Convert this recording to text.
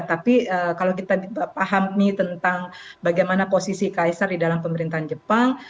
tapi kalau kita pahami tentang bagaimana posisi kaisar di dalam pemerintahan jepang